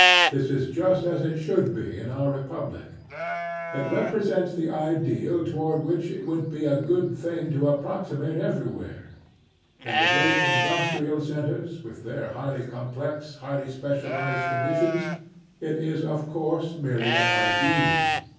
This is just as it should be in our repub lic. It represents the ideal toward which it would be a good thing to approximate ever3rwhere. In the great industrial centers, with their highly com plex, highly specialized conditions, it is of course merely an ideal.